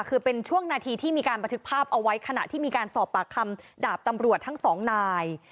คือเป็นช่วงนาทีที่มีการบันทึกภาพเอาไว้ขณะที่มีการสอบปากคำดาบตำรวจทั้งสองนาย